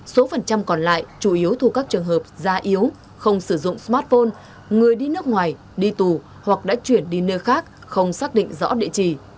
số phần trăm còn lại chủ yếu thu các trường hợp da yếu không sử dụng smartphone người đi nước ngoài đi tù hoặc đã chuyển đi nơi khác không xác định rõ địa chỉ